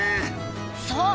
そう。